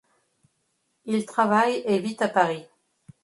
Il travaille et vit à Paris.